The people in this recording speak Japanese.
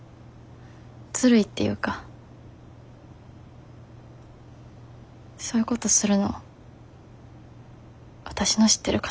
ずるいっていうかそういうことするのわたしの知ってる笠松さんじゃ。